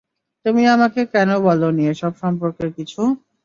তুমি আমাকে কেন বলোনি, এসব সম্পর্কে কিছু?